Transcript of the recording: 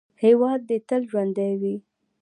هیواد دې تل ژوندی وي.